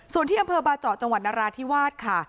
ส่วนที่อำเภอบาเจาะจังหวัดนราธิวาสค่ะ